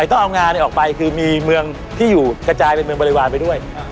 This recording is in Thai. สร้างไป๒๐กว่าปีเปลี่ยนไป๕ผู้ว่าแล้วอ่ะ